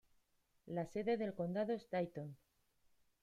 La sede del condado es Dayton.